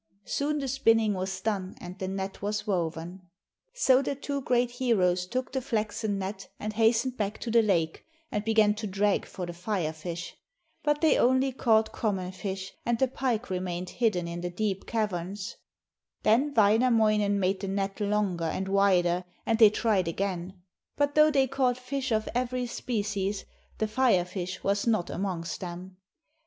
Soon the spinning was done and the net was woven. So the two great heroes took the flaxen net and hastened back to the lake and began to drag for the Fire fish. But they only caught common fish, and the pike remained hidden in the deep caverns. Then Wainamoinen made the net longer and wider and they tried again, but though they caught fish of every species, the Fire fish was not amongst them.